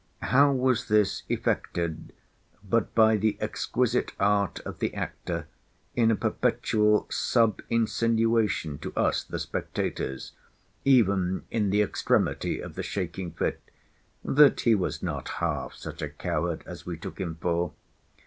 How was this effected but by the exquisite art of the actor in a perpetual sub insinuation to us, the spectators, even in the extremity of the shaking fit, that he was not half such a coward as we took him for?